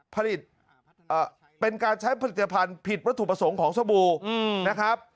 ผลิตเป็นการใช้ผลิตภัณฑ์ผิดวัตถุประสงค์ของสบู่นะครับ